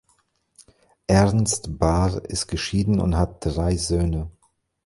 Ernst Bahr ist geschieden und hat drei Söhne.